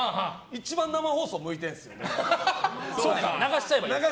一番生放送に向いてるんですよ。